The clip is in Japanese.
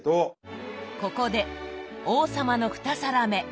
ここで王様の２皿目。